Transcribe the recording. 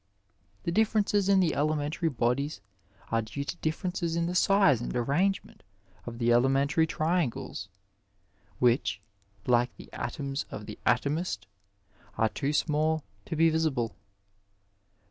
The differences in the elementary bodies are due to differences in the size and arrangement of th§ elementary triangles, which, Uke the atoms of the atomist, are too small to be visible.